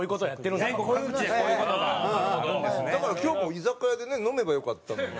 だから今日も居酒屋でね飲めばよかったのに。